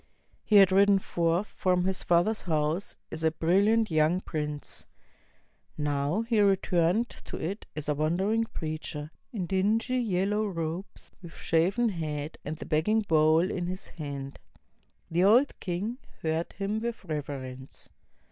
He had ridden forth from his father's house as a brilliant young prince. He now re turned to it as a wandering preacher, in dingy yellow robes, with shaven head and the begging bowl in his hand. The old king heard him with reverence.